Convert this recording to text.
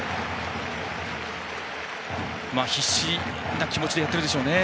必死な気持ちでやっているでしょうね。